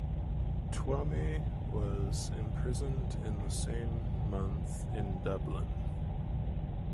Twomey was imprisoned in the same month in Dublin.